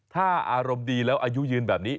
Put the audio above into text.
ถ้าอารมณ์ดีแล้วอายุยืนแบบนี้